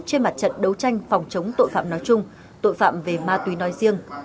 trên mặt trận đấu tranh phòng chống tội phạm nói chung tội phạm về ma túy nói riêng